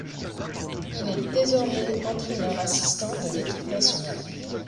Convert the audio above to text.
Il est désormais entraîneur-assistant de l'équipe nationale.